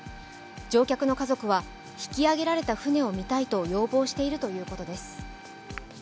乗客の家族は引き揚げられた船を見たいと要望しているということです。